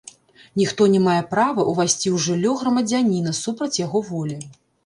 Ніхто не мае права ўвайсці ў жыллё грамадзяніна супраць яго волі.